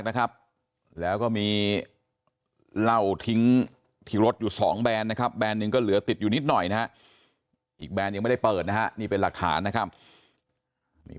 ใช่เหมือนถ้าตัวเองแกรู้จักตัวเองนั่งตัวเองคิดตังค์กับผมนะ